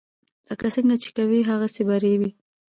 لکه څنګه چې کوې هغسې به ریبې.